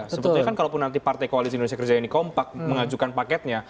sebetulnya kan kalau nanti partai koalisi indonesia kerja ini kompak mengajukan paketnya